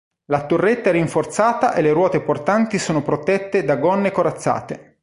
La torretta è rinforzata e le ruote portanti sono protette da gonne corazzate.